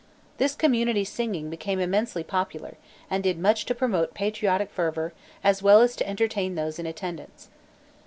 This community singing became immensely popular and did much to promote patriotic fervor as well as to entertain those in attendance.